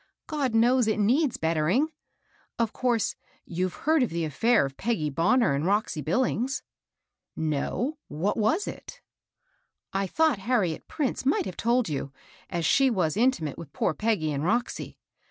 God knows it needs better ing I Of course you've heard of the affidr of Peggy Bonner and Roxy Billings ?" *'No. What was it?" " I thought Harriet Prince might have told you, DIED AT HER POST I 155 as iitie was intimate with poor Peggy and Roxj.